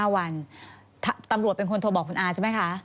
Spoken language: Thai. ๕วันตำรวจเป็นคนโทรบอกคุณอาใช่ไหมคะ